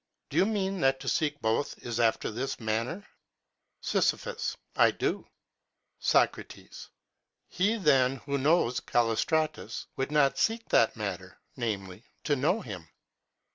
4 Do you mean that to seek both is after this manner. Sis. I do. Soc, He then, who knows Callistratus, would not seek that matter, namely, to know him.